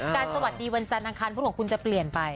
การสวัสดีวันจันทร์นางคารพูดหวังคุณจะเปลี่ยนไป